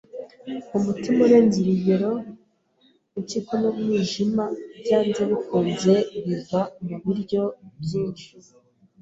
Umutima urenze urugero, impyiko n'umwijima byanze bikunze biva mubiryo byinshi.